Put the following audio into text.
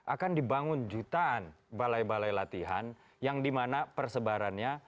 akan dibangun jutaan balai balai latihan yang dimana persebarannya